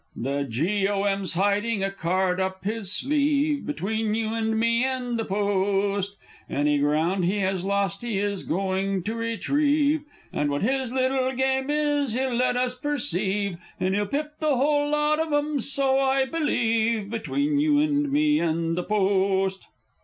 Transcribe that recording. _ The G. O. M.'s hiding a card up his sleeve. Between you and me and the Post! Any ground he has lost he is going to retrieve, And what his little game is, he'll let us perceive, And he'll pip the whole lot of 'em, so I believe, Between you and me and the Post!